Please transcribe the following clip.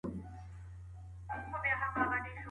ولي هغه خلګ چي زیار کاږي تل نوي لاري پیدا کوي؟